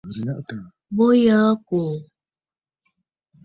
Bo yǝǝ ɨkòò.